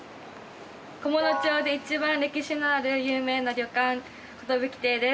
菰野町で一番歴史のある有名な旅館寿亭です。